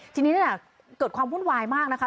ทีนี้เนี่ยเกิดความวุ่นวายมากนะคะ